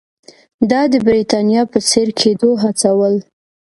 دا د برېټانیا په څېر کېدو ته هڅول.